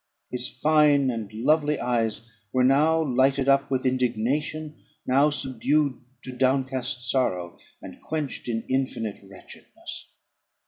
His fine and lovely eyes were now lighted up with indignation, now subdued to downcast sorrow, and quenched in infinite wretchedness.